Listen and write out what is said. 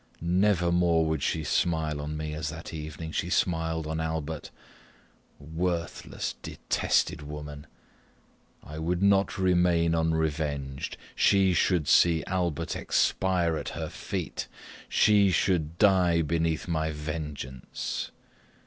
Never more would she smile on me as that evening she smiled on Albert. Worthless, detested woman! I would not remain unrevenged she should see Albert expire at her feet she should die beneath my vengeance.